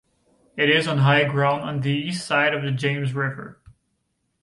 It is on high ground on the east side of the James River.